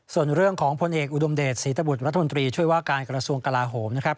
ส่วนเรื่องของพลเอกอุดมเดชศรีตบุตรรัฐมนตรีช่วยว่าการกระทรวงกลาโหมนะครับ